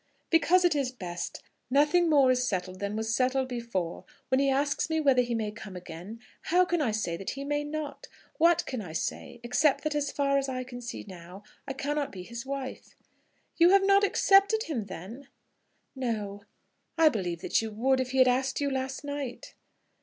"Because it is best. Nothing more is settled than was settled before. When he asks me whether he may come again, how can I say that he may not? What can I say, except that as far I can see now, I cannot be his wife?" "You have not accepted him, then?" "No." "I believe that you would, if he had asked you last night."